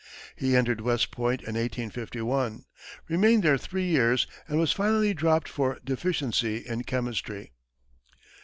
He entered West Point in 1851, remained there three years, and was finally dropped for deficiency in chemistry.